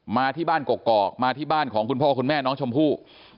มาที่บ้านกกอกมาที่บ้านของคุณพ่อคุณแม่น้องชมพู่